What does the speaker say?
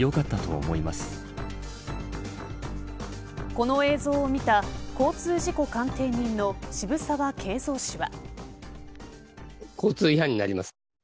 この映像を見た交通事故鑑定人の澁澤敬造氏は。